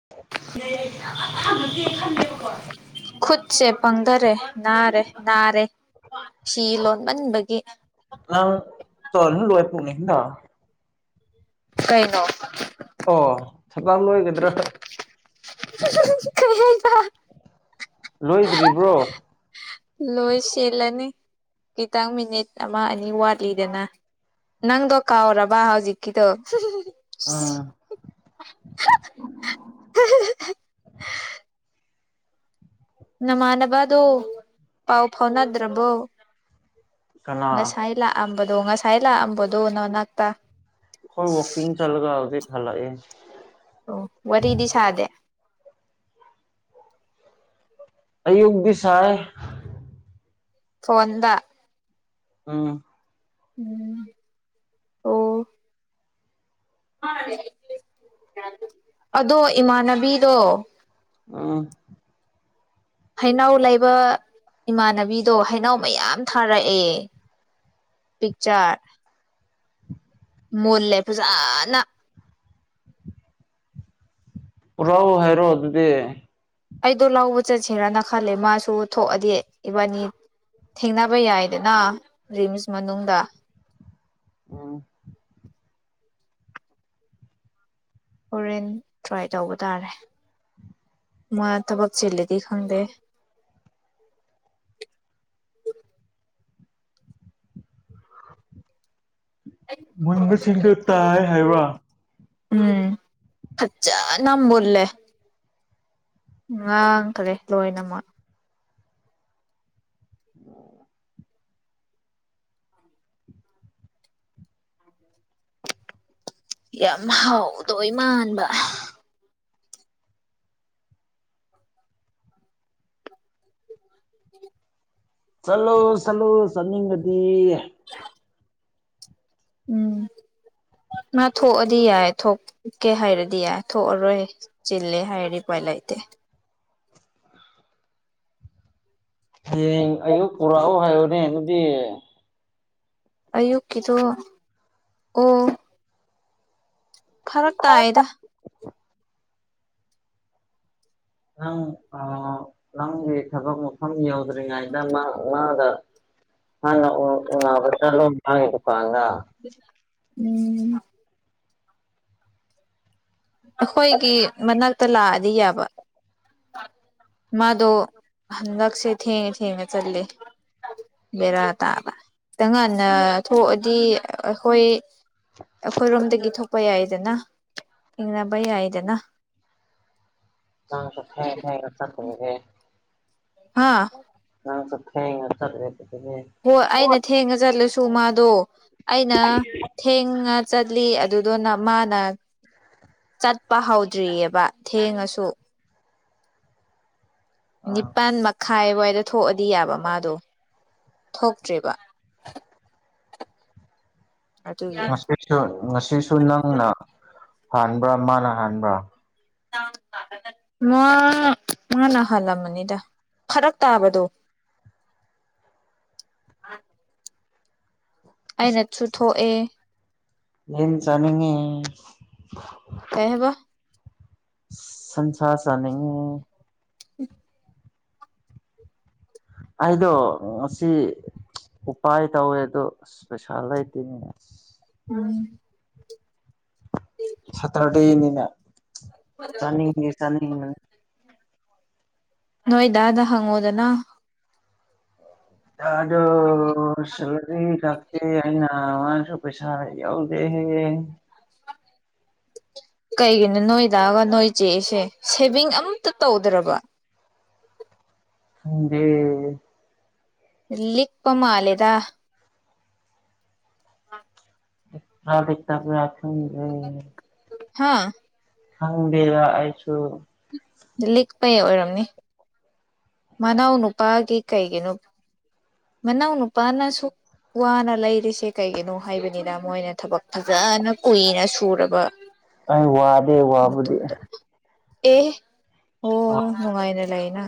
[unintelligible] ꯈꯨꯠꯁꯦ ꯄꯪꯗꯔꯦ ꯅꯥꯔꯦ ꯅꯥꯔꯦ ꯐꯤ ꯂꯣꯟꯃꯟꯕꯒꯤ [unintelligible] ꯀꯩꯅꯣ ꯑꯣ ꯊꯕꯛ ꯂꯣꯏꯒꯗ꯭ꯔꯥ ꯀꯩ ꯍꯥꯏꯕ ꯂꯣꯏꯗ꯭ꯔꯤꯕ꯭ꯔꯣ ꯂꯣꯏ ꯆꯦꯜꯂꯅꯤ ꯈꯤꯇꯪ ꯃꯤꯅꯤꯠ ꯑꯃ ꯑꯅꯤ ꯋꯥꯠꯂꯤꯗꯅ ꯅꯪꯗꯣ ꯀꯥꯎꯔꯕ ꯍꯧꯖꯤꯛꯀꯤꯗꯣ ꯎꯝ ꯅꯃꯥꯟꯅꯕꯗꯣ ꯄꯥꯎ ꯐꯥꯎꯅꯗ꯭ꯔꯕꯣ ꯀꯅꯥ ꯉꯁꯥꯏ ꯂꯥꯛꯑꯝꯕꯗꯣ ꯉꯁꯥꯏ ꯂꯥꯛꯑꯝꯕꯗꯣ ꯅꯅꯥꯛꯇ ꯈꯣꯏ ꯋꯥꯀꯤꯡ ꯆꯂꯒ ꯍꯧꯖꯤꯛ ꯍꯜꯂꯛꯑꯦ ꯒꯦ ꯑꯣ ꯋꯥꯔꯤꯗꯤ ꯁꯥꯗꯦ ꯑꯌꯨꯛꯗꯤꯁꯥꯏ ꯐꯣꯟꯗ ꯌꯨꯝ ꯎꯝ ꯑꯣ ꯑꯗꯣ ꯏꯃꯥꯟꯅꯕꯤꯗꯣ ꯎꯝ ꯍꯩꯅꯧ ꯂꯩꯕ ꯏꯃꯥꯟꯅꯕꯤꯗꯣ ꯍꯩꯩꯅꯧ ꯃꯌꯥꯝ ꯊꯥꯔꯛꯑꯦ ꯄꯤꯛꯆꯔ ꯃꯨꯜꯂꯦ ꯐꯖꯅ ꯄꯨꯔꯛꯑꯣ ꯍꯥꯏꯔꯣ ꯑꯗꯨꯗꯤ ꯑꯩꯗꯣ ꯂꯧꯕ ꯆꯠꯁꯤꯔꯅ ꯈꯜꯂꯦ ꯃꯥꯁꯨ ꯊꯣꯛꯑꯗꯤ ꯏꯕꯥꯅꯤ ꯊꯦꯡꯅꯕ ꯌꯥꯏꯗꯅ ꯔꯤꯝꯁ ꯃꯅꯨꯡꯗ ꯎꯝ [inaudible] ꯍꯣꯔꯦꯟ ꯇ꯭ꯔꯥꯏ ꯇꯧꯕ ꯇꯥꯔꯦ ꯃꯥ ꯊꯕꯛ ꯆꯤꯟꯂꯗꯤ ꯈꯪꯗꯦ [inaudible] ꯃꯨꯟꯕꯁꯤꯡꯗꯣ ꯇꯥꯏ ꯍꯥꯏꯕ ꯎꯝ ꯐꯖꯆꯥꯅ ꯃꯨꯟꯂꯦ ꯉꯥꯡꯈꯔꯦ ꯂꯣꯏꯅꯃꯛ ꯑꯣ ꯌꯥꯝ ꯍꯥꯎꯗꯣꯏ ꯃꯥꯟꯕ ꯆꯠꯂꯣ ꯆꯠꯂꯣ ꯆꯠꯅꯤꯡꯉꯗꯤ [unintelligible] ꯎꯝ ꯃꯥ ꯊꯣꯛꯑꯗꯤ ꯌꯥꯏ ꯊꯣꯛꯀꯦ ꯍꯥꯏꯔꯗꯤ ꯌꯥꯏ ꯊꯣꯛꯑꯔꯣꯏ ꯆꯤꯜꯂꯦ ꯍꯥꯏꯔꯗꯤ ꯎꯄꯥꯏ ꯂꯩꯇꯦ ꯍꯌꯦꯡ ꯑꯌꯨꯛ ꯄꯨꯔꯛꯎ ꯍꯥꯏꯌꯣꯅꯦ ꯑꯗꯨꯗꯤ ꯑꯌꯨꯛꯀꯤꯗꯣ ꯎꯝ ꯐꯔꯛ ꯇꯥꯏꯑꯦꯗ ꯅꯪ ꯑꯥ ꯅꯪꯒꯤ ꯊꯕꯛ ꯃꯐꯝ ꯌꯧꯗ꯭ꯔꯤꯉꯩꯗ ꯃ ꯃꯥꯒ ꯍꯥꯟꯅ ꯎ ꯎꯅꯕ ꯆꯠꯂꯣ ꯃꯥꯒꯤ ꯗꯨꯀꯥꯟꯗ ꯎꯝ ꯑꯈꯣꯏꯒꯤ ꯃꯅꯥꯛꯇ ꯂꯥꯛꯑꯗꯤ ꯌꯥꯕ ꯃꯥꯗꯣ ꯍꯟꯗꯛꯁꯦ ꯊꯦꯡꯉ ꯊꯦꯡꯉ ꯆꯠꯂꯦ ꯕꯦꯔꯥ ꯇꯥꯕ ꯈꯤꯇꯪ ꯉꯟ ꯅ ꯊꯣꯛꯑꯗꯤ ꯑꯈꯣꯏ ꯑꯈꯣꯏꯔꯣꯝꯗꯒꯤ ꯊꯣꯛ ꯊꯣꯛꯄ ꯌꯥꯏꯗꯅ ꯊꯦꯡꯅꯕ ꯌꯥꯏꯗꯅ ꯅꯪꯁꯨ ꯀꯗꯥꯏ ꯀꯗꯥꯏꯗ ꯆꯠꯈ꯭ꯔꯕꯒꯦ ꯍꯥ ꯅꯪꯁꯨ ꯊꯦꯡꯅ ꯆꯠꯂꯦ ꯍꯣꯏ ꯑꯩꯅ ꯊꯦꯡꯉ ꯆꯠꯂꯁꯨ ꯃꯥꯗꯣ ꯑꯩꯅ ꯊꯦꯡꯉ ꯆꯠꯂꯤ ꯑꯗꯨꯗꯨꯅ ꯃꯥꯅ ꯆꯠꯄ ꯍꯧꯗ꯭ꯔꯤꯑꯦꯕ ꯊꯦꯡꯉꯁꯨ ꯑꯥ ꯅꯤꯄꯥꯜ ꯃꯈꯥꯏꯋꯥꯏꯗ ꯊꯣꯛꯑꯗꯤ ꯌꯥꯕ ꯃꯥꯗꯣ ꯊꯣꯛꯇ꯭ꯔꯤꯕ ꯑꯗꯨꯒꯤꯅꯤ ꯉꯁꯤꯁꯨ ꯉꯁꯤꯁꯨ ꯅꯪꯅ ꯍꯥꯟꯕ꯭ꯔꯥ ꯃꯥꯅ ꯍꯥꯟꯕ꯭ꯔꯥ [inaudible] ꯃꯥ ꯃꯥꯅ ꯍꯜꯂꯝꯃꯅꯤꯗ ꯐꯔꯛ ꯇꯥꯕꯗꯣ [inaudible] [inaudible] ꯑꯩꯅꯁꯨ ꯊꯣꯛꯑꯦ ꯌꯦꯟ ꯆꯥꯅꯤꯡꯉꯦ ꯀꯩ ꯍꯥꯏꯕ ꯁꯟ ꯁꯥ ꯆꯥꯅꯤꯡꯉꯦ ꯎꯝ ꯑꯩꯗꯣꯉꯁꯤ ꯎꯄꯥꯏ ꯇꯧꯋꯦ ꯑꯗꯨ ꯄꯩꯁꯥ ꯂꯩꯇꯦꯅꯦ ꯑꯁ ꯎꯝ ꯁꯇꯔꯗꯦꯅꯤꯅ ꯆꯥꯅꯤꯡꯉꯦ ꯆꯥꯅꯤꯡꯅ ꯅꯣꯏꯗꯥ ꯗ ꯍꯪꯉꯣꯗꯅ ꯑꯗꯣ ꯁꯤꯂꯗꯤ ꯂꯥꯛꯇꯦ ꯍꯥꯏꯅ ꯃꯥꯅꯁꯨ ꯄꯩꯁꯥꯔ ꯌꯥꯎꯗꯦ ꯍꯥꯏꯑꯦ ꯀꯩꯒꯤꯅꯣ ꯅꯣꯏꯗꯥ ꯒ ꯅꯣꯏ ꯆꯦꯒꯁꯦ ꯁꯦꯚꯤꯡ ꯑꯃꯇ ꯇꯧꯗ꯭ꯔꯕ ꯈꯪꯗꯦ ꯂꯤꯛꯄ ꯃꯥꯂꯦꯗꯥ ꯂꯤꯛꯄ꯭ꯔꯥ ꯂꯤꯛꯇꯕ꯭ꯔꯥ ꯈꯪꯗꯦ ꯍꯥꯥ ꯈꯪꯗꯦꯕ ꯑꯩꯁꯨ ꯂꯤꯛꯄꯩ ꯑꯣꯏꯔꯝꯅꯤ ꯃꯅꯥꯎ ꯅꯨꯄꯥꯒꯤ ꯀꯩꯒꯤꯅꯣ ꯃꯅꯥꯎ ꯅꯨꯄꯥꯅꯁꯨ ꯋꯥꯅ ꯂꯩꯔꯤꯁꯦ ꯀꯩꯒꯤꯅꯣ ꯍꯥꯏꯕꯅꯤꯗ ꯃꯣꯏꯅ ꯊꯕꯛ ꯐꯖꯅ ꯀꯨꯏꯅ ꯁꯨꯔꯒ ꯑꯩ ꯋꯥꯗꯦ ꯋꯥꯕꯨꯗꯤ ꯑꯦ ꯑꯣ ꯅꯨꯡꯉꯥꯏꯔꯛ ꯂꯩꯅ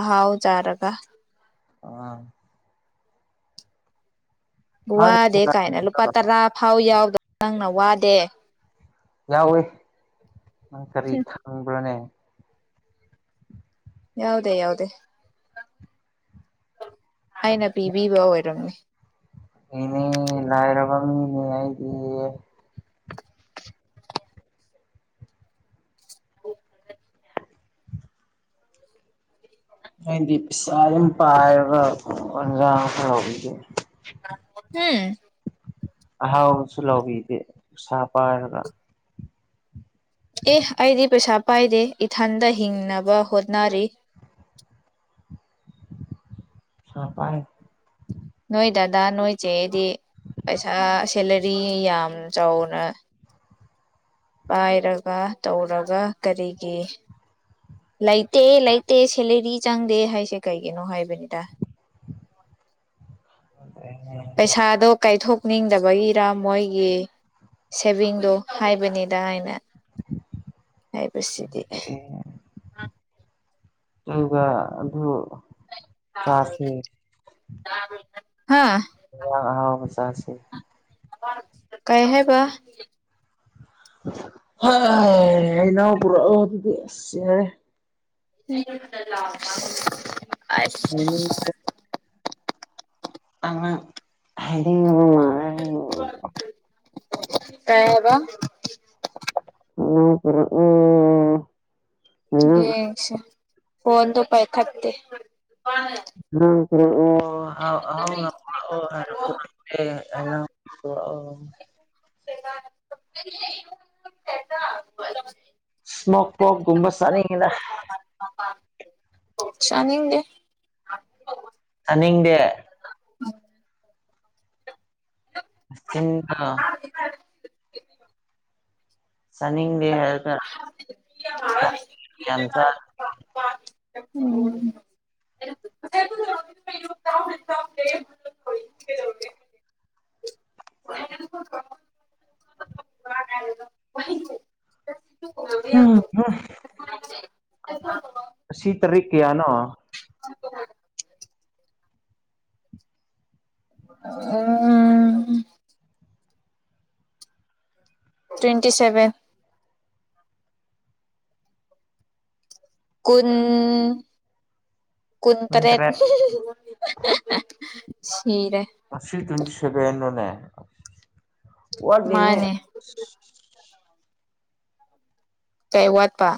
ꯑꯍꯥꯎ ꯆꯥꯔꯒ ꯑꯥ ꯃꯥꯒꯤ ꯋꯥꯗꯦ ꯀꯥꯏꯅ ꯂꯨꯄꯥ ꯇꯔꯥ ꯐꯥꯎ ꯌꯥꯎꯗꯕ ꯅꯪꯅ ꯋꯥꯗꯦ ꯌꯥꯎꯋꯦ ꯅꯪ ꯀꯔꯤ ꯈꯪꯕ꯭ꯔꯅꯦ ꯌꯥꯎꯗꯦ ꯌꯥꯎꯗꯦ ꯍꯥꯏꯅ ꯄꯤꯕꯤꯕ ꯑꯣꯏꯔꯝꯅꯤ ꯏꯅꯦ ꯂꯥꯏꯔꯕ ꯃꯤꯅꯦ ꯑꯩꯗꯤ ꯑꯩꯗꯤ ꯄꯩꯁꯥ ꯌꯥꯝ ꯄꯥꯏꯕ [unintelligible] ꯍꯝ ꯑꯍꯥꯎꯕꯁꯨ ꯂꯧꯕꯤꯗꯦ ꯄꯩꯁꯥ ꯄꯥꯏꯔꯒ ꯑꯦ ꯑꯩꯗꯤ ꯄꯩꯁꯥ ꯄꯥꯏꯗꯦ ꯏꯊꯟꯗ ꯍꯤꯡꯅꯕ ꯍꯣꯠꯅꯔꯤ ꯄꯩꯁꯥ ꯄꯥꯏ ꯅꯣꯏ ꯗꯗꯥ ꯅꯣꯏ ꯆꯦꯗꯤ ꯄꯩꯁꯥ ꯁꯦꯂꯔꯤ ꯌꯥꯝ ꯆꯥꯎꯅ ꯄꯥꯏꯔꯒ ꯇꯧꯔꯒ ꯀꯔꯤꯒꯤ ꯂꯩꯇꯦ ꯂꯩꯇꯦ ꯁꯦꯂꯦꯔꯤ ꯆꯪꯗꯦ ꯍꯥꯏꯁꯦ ꯀꯩꯒꯤꯅꯣ ꯍꯥꯏꯕꯅꯤꯗ ꯄꯩꯁꯥꯗꯣ ꯀꯥꯏꯊꯣꯛ ꯅꯤꯡꯗꯕꯒꯤꯔ ꯃꯣꯏꯒꯤ ꯁꯦꯚꯤꯡꯗꯣ ꯍꯥꯏꯕꯅꯤꯗ ꯑꯩꯅ ꯍꯥꯏꯕꯁꯤꯗꯤ ꯑꯗꯨꯒ ꯑꯗꯨ ꯆꯥꯁꯦ ꯍꯥ ꯏꯟꯖꯥꯡ ꯑꯍꯥꯎꯕ ꯆꯥꯁꯦ ꯀꯩ ꯍꯥꯏꯕ ꯍꯩ ꯍꯩꯅꯧ ꯄꯨꯔꯛꯑꯣ ꯑꯗꯨꯗꯤ ꯌꯥꯏ [unintelligible] ꯑꯥ ꯅ ꯪ [unintelligible] ꯀꯩ ꯍꯥꯏꯕ ꯍꯩꯅꯧ ꯄꯨꯔꯛꯑꯣ ꯅꯪ ꯌꯦꯡꯁꯦ ꯐꯣꯟꯗꯣ ꯄꯥꯏꯈꯠꯇꯦ ꯍꯩꯅꯧ ꯄꯨꯔꯛꯑꯣ [unintelligible] ꯍꯩꯅꯧ ꯄꯨꯔꯛꯑꯣ [unintelligible] ꯁꯃꯣꯛ ꯄꯣꯔꯛ ꯒꯨꯝꯕ ꯆꯥꯅꯤꯡꯉꯤꯗ ꯆꯥꯅꯤꯡꯗꯦ ꯆꯥꯅꯤꯡꯗꯦ ꯆꯤꯟꯗꯣ ꯆꯥꯅꯤꯡ ꯗꯦ ꯍꯥꯏꯔꯒ [unintelligible] [unintelligible] ꯎꯝ ꯍꯨ ꯉꯁꯤ ꯇꯔꯤꯛ ꯀꯌꯥꯅꯣ ꯎꯝ ꯇ꯭ꯋꯦꯟꯇꯤ ꯁꯚꯦꯟ ꯀꯨꯟ ꯀꯨꯟꯇꯔꯦꯠ ꯁꯤꯔꯦ ꯉꯁꯤ ꯇ꯭ꯋꯦꯟꯇꯤ ꯁꯚꯦꯟ ꯂꯣꯅꯦ ꯋꯥꯠꯂꯤꯅꯦ ꯃꯥꯅꯦ ꯀꯩ ꯋꯥꯠꯄ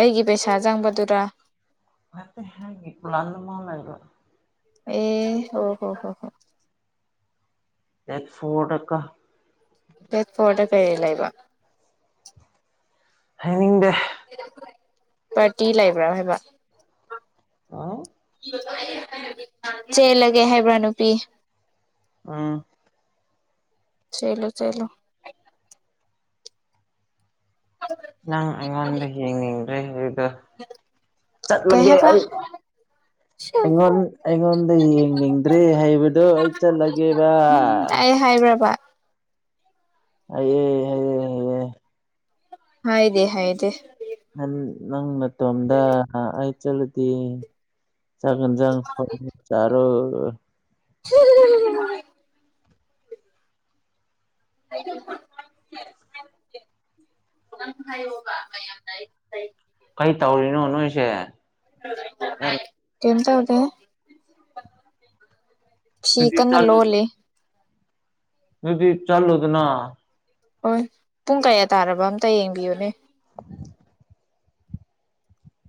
ꯑꯩꯒꯤ ꯄꯩꯁꯥ ꯆꯪꯕꯗꯨꯔ ꯅꯠꯇꯦ ꯑꯩꯒꯤ ꯄ꯭ꯂꯥꯟ ꯑꯃ ꯂꯩꯕ ꯑꯦ ꯍꯣ ꯍꯣ ꯍꯣ ꯍꯣ ꯗꯦꯠ ꯐꯣꯔꯗ ꯀꯣ ꯗꯦꯠ ꯐꯣꯔꯗ ꯀꯔꯤ ꯂꯩꯕ ꯍꯥꯏꯅꯤꯡꯗꯦ ꯄꯥꯔꯇꯤ ꯂꯩꯕ꯭ꯔꯥ ꯍꯥꯏꯕ ꯍꯨ ꯆꯦꯜꯂꯒꯦ ꯍꯥꯏꯕ꯭ꯔꯥ ꯅꯨꯄꯤ ꯎꯝ ꯆꯦꯜꯂꯣ ꯆꯦꯜꯂꯣ ꯅꯪ ꯑꯩꯉꯣꯟꯗ ꯌꯦꯡꯉꯤꯡꯗ꯭ꯔꯦ ꯑꯥ ꯀꯩ ꯆꯠꯂꯒꯦ ꯍꯥꯏꯕ ꯑꯩ ꯑꯩꯉꯣꯟ ꯑꯩꯉꯣꯟꯗ ꯌꯦꯡꯅꯤꯡꯗ꯭ꯔꯦ ꯍꯥꯏꯕꯗꯣ ꯑꯩ ꯆꯠꯂꯒꯦꯕꯥ ꯑꯩ ꯍꯥꯏꯕ꯭ꯔꯕ ꯍꯩꯌꯦ ꯍꯩꯌꯦ ꯍꯩꯌꯦ ꯑꯩꯗꯤ ꯍꯥꯏꯇꯦ ꯅꯪ ꯅꯪ ꯃꯇꯣꯝꯗ ꯍꯥ ꯑꯩ ꯆꯠꯂꯗꯤ ꯆꯥꯛ ꯏꯖꯥꯡ ꯐꯖꯅ ꯆꯥꯔꯣ [unintelligible] [unintelligible] [unintelligible] ꯍꯥꯏꯌꯣꯕ ꯃꯌꯥꯝ ꯂꯩ ꯂꯩ ꯀꯩ ꯇꯧꯔꯤꯅꯣ ꯅꯣꯏꯁꯦ ꯌꯥꯝ [unintelligible] ꯀꯩꯝ ꯇꯧꯗꯦ ꯐꯤ ꯑꯗꯨꯗꯤ ꯀꯟꯅ ꯆꯠꯂꯨ ꯂꯣꯜꯂꯤ ꯑꯗꯨꯗꯤ ꯆꯠꯂꯣꯗꯅ ꯍꯣꯏ ꯄꯨꯡ ꯀꯌꯥ ꯇꯥꯔꯕ ꯑꯝꯇ ꯌꯦꯡꯕꯤꯌꯨꯅꯦ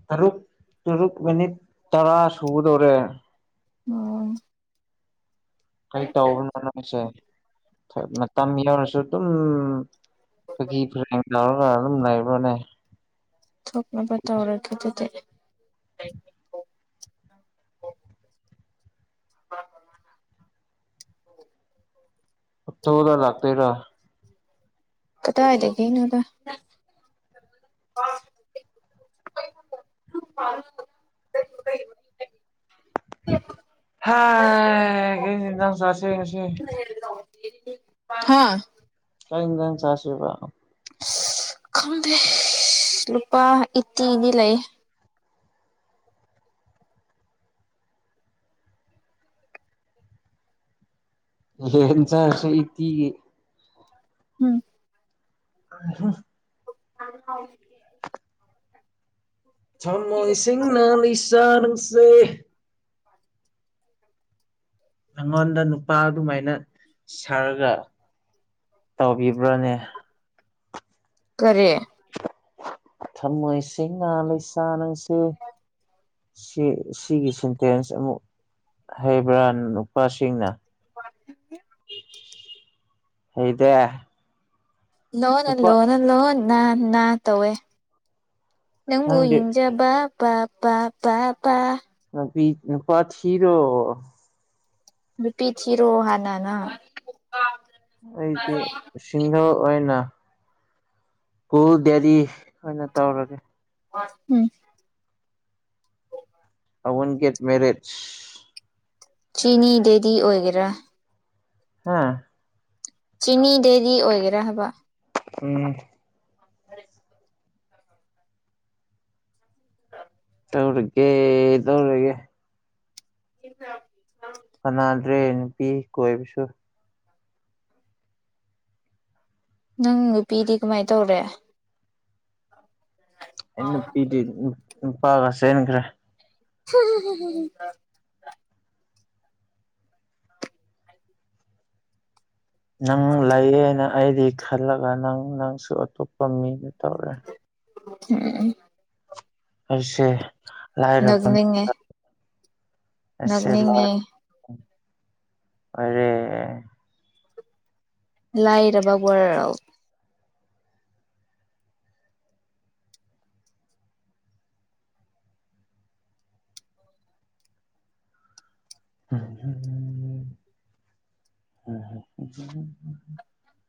ꯇꯔꯨꯛ ꯇꯔꯨꯛ ꯃꯤꯅꯤꯠ ꯇꯔꯥ ꯁꯨꯗꯣꯔꯦ ꯑꯣ ꯀꯩ ꯇꯧꯕꯅꯣ ꯅꯣꯏꯁꯦ ꯊ ꯃꯇꯝ ꯌꯧꯔꯁꯨ ꯑꯗꯨꯝ ꯈꯣꯏꯒꯤ [unintelligible] ꯑꯗꯨꯝ ꯂꯩ꯭ꯔꯣꯅꯦ ꯊꯣꯛꯅꯕ ꯇꯧꯔꯒꯦ ꯗꯨꯗꯤ [inaudible] ꯑꯣꯠꯇꯣꯗ ꯂꯥꯛꯇꯨꯏꯔ ꯀꯗꯥꯏꯗꯒꯤꯅꯣꯗ [unintelligible] ꯍꯥꯏ ꯀꯔꯤ ꯍꯦꯟꯁꯥꯡ ꯆꯥꯁꯦ ꯉꯁꯤ ꯍꯥꯥ ꯀꯩ ꯏꯟꯖꯥꯡ ꯆꯥꯁꯦꯕ ꯈꯪꯗꯦ ꯂꯨꯄꯥ ꯏꯠꯇꯤ ꯗꯤ ꯂꯩꯑꯦ ꯉꯁꯤ ꯍꯦꯟꯁꯥꯡꯁꯦ ꯏꯠꯇꯤꯒꯤ ꯍꯨꯝ ꯍꯨꯝ [inaudible] ꯊꯃꯣꯏ ꯁꯤꯡꯅ ꯂꯩꯁꯥ ꯅꯪꯁꯦ ꯑꯩꯉꯣꯟꯗ ꯅꯨꯄꯥ ꯑꯗꯨꯃꯥꯏꯅ ꯁꯥꯔꯒ ꯇꯧꯕꯤꯕ꯭ꯔꯥꯅꯦ ꯀꯔꯤ ꯊꯝꯃꯣꯏꯁꯤꯡꯅꯥ ꯂꯩꯁꯥ ꯅꯪꯁꯦ ꯁꯤ-ꯁꯤꯒꯤ ꯁꯦꯟꯇꯦꯟꯁ ꯑꯃꯨꯛ ꯍꯥꯏꯕ꯭ꯔꯥ ꯅꯨꯄꯥꯁꯤꯡꯅ [inaudible] ꯍꯩꯗꯦ ꯂꯣꯟꯅ ꯅꯨꯄꯥ ꯂꯣꯟꯅ ꯂꯣꯟ ꯅꯥ ꯅꯥ ꯇꯧꯋꯦ ꯅꯪꯕꯨ ꯅꯪꯗꯤ ꯌꯦꯡꯖꯕ ꯕ ꯄꯥ ꯄꯥ ꯄꯥ ꯄꯥ ꯅꯨꯄꯤ ꯅꯨꯄꯥ ꯊꯤꯔꯣ ꯅꯨꯄꯤ ꯊꯤꯔꯣ ꯍꯥꯟꯅꯅ ꯑꯩꯗꯤ ꯁꯤꯡꯒꯜ ꯍꯣꯏꯅ ꯍꯨ ꯗꯦꯜꯂꯤ ꯑꯣꯏꯅ ꯇꯧꯔꯒꯦ ꯍꯨꯝ ꯑꯋꯨꯟ ꯒꯦꯠ ꯃꯦꯔꯤꯠ ꯆꯤꯅꯤ ꯗꯦꯗꯤ ꯑꯣꯏꯒꯦꯔꯥ ꯍꯥꯥ ꯆꯤꯅꯤ ꯗꯦꯔꯤ ꯑꯣꯏꯒꯦꯔꯥ ꯍꯥꯏꯕ ꯎꯝ [inaudible] ꯇꯧꯔꯒꯦ ꯇꯧꯔꯒꯦ [inaudible] ꯀꯅꯥꯗ꯭ꯔꯦ ꯅꯨꯄꯤ ꯀꯣꯏꯕꯁꯨ ꯅꯪ ꯅꯨꯄꯤꯗꯤ ꯀꯃꯥꯏꯅ ꯇꯧꯔꯦ ꯑꯩ ꯅꯨꯄꯤꯗꯤ ꯅꯨꯄꯥꯒ ꯆꯦꯟꯈ꯭ꯔꯦ [unintelligible] ꯅꯪ ꯂꯩꯌꯦꯅ ꯑꯩꯗꯤ ꯈꯜꯂꯒ ꯅꯪ ꯅꯪꯁꯨ ꯑꯇꯣꯞꯄ ꯃꯤꯅ ꯇꯧꯔꯦ [unintelligible] ꯑꯩꯁꯦ ꯂꯥꯏꯔꯕ [unintelligible] ꯅꯛꯅꯤꯡꯉꯦ [unintelligible] ꯂꯥꯏꯔꯕ ꯋꯥ꯭ꯔꯜ [unintelligible]